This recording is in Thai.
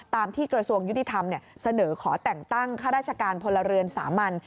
ที่กระทรวงยุติธรรมเสนอขอแต่งตั้งข้าราชการพลเรือนสามัญ